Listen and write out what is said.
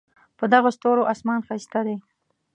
په دغه ستوري آسمان ښایسته دی